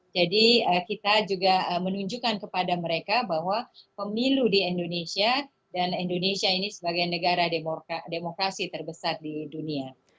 jadi kita juga menunjukkan kepada mereka bahwa pemilu di indonesia dan indonesia ini sebagai negara demokrasi terbesar di dunia